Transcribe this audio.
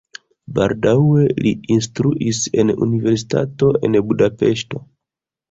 Baldaŭe li instruis en universitato en Budapeŝto.